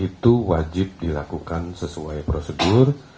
itu wajib dilakukan sesuai prosedur